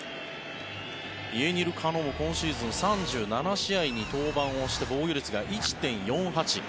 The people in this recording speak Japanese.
イエニエル・カノも今シーズン３７試合に登板をして防御率が１．４８。